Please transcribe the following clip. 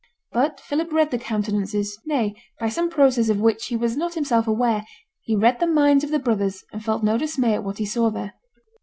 But Philip read the countenances, nay, by some process of which he was not himself aware, he read the minds of the brothers, and felt no dismay at what he saw there.